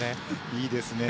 いいですね。